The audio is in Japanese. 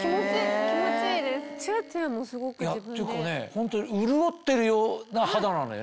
ホントに潤ってるような肌なんだよね。